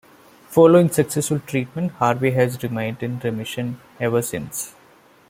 Following successful treatment, Harvey has remained in remission ever since.